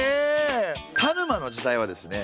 田沼の時代はですね